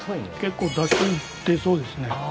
結構出汁出そうですね。